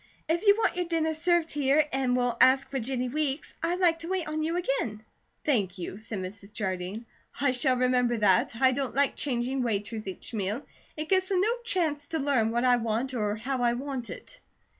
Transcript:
If you want your dinner served here and will ask for Jennie Weeks, I'd like to wait on you again." "Thank you," said Mrs. Jardine, "I shall remember that. I don't like changing waiters each meal. It gives them no chance to learn what I want or how I want it."